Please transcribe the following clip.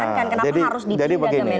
kenapa harus dipindah ke mendadari